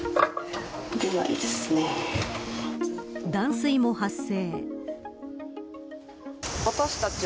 断水も発生。